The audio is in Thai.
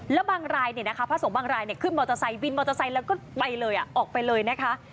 แล้วพระสงฆ์บางรายขึ้นมอเตอร์ไซส์บินมอเตอร์ไซส์แล้วก็ไปเลยออกไปเลยนะคะ